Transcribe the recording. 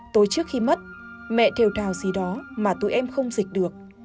tối trước khi mất mẹ theo trào gì đó mà tụi em không dịch được